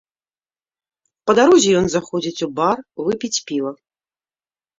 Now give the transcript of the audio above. Па дарозе ён заходзіць у бар выпіць піва.